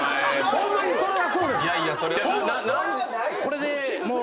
ホンマにそれはそうです！